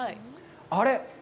あれ？